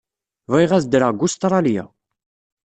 Bɣiɣ ad ddreɣ deg Ustṛalya.